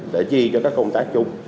để chi cho các công tác chung